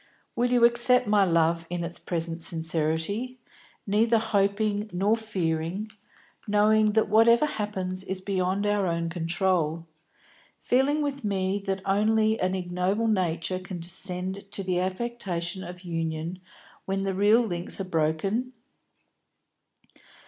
Will you accept my love in its present sincerity, neither hoping nor fearing, knowing that whatever happens is beyond our own control, feeling with me that only an ignoble nature can descend to the affectation of union when the real links are broken?"